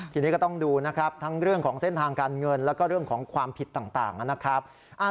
ทีนี้ก็ต้องดูนะครับทั้งเรื่องของเส้นทางการเงินแล้วก็เรื่องของความผิดต่างนะครับ